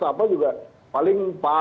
apa juga paling